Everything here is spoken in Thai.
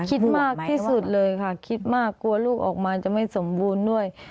คิดมากที่สุดเลยค่ะคิดมากกลัวลูกออกมาจะไม่สมบูรณ์ด้วย